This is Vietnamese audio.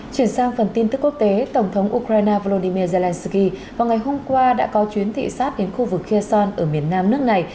chuyển sang phần tin tức quốc tế tổng thống ukraine volodymyr zelensky vào ngày hôm qua đã có chuyến thị sát đến khu vực iae son ở miền nam nước này